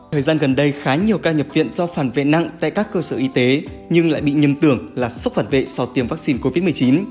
thời gian gần đây khá nhiều ca nhập viện do phản vệ nặng tại các cơ sở y tế nhưng lại bị nhầm tưởng là sốc phản vệ sau tiêm vaccine covid một mươi chín